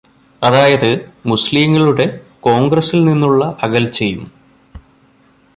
അതായത് മുസ്ലിങ്ങളുടെ കോണ്ഗ്രസില് നിന്നുള്ള അകല്ച്ചയും